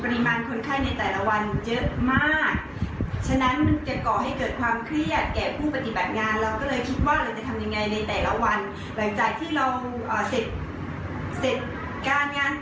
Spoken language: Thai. แต่ก็ได้คลายเครียดกันก่อนที่จะกลับบ้านมีกิจกรรมนี้ขึ้นมา